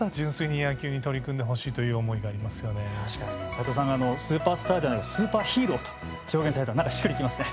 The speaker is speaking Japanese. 斎藤さんがスーパースターじゃなくてスーパーヒーローと表現されたの何かしっくり来ますね。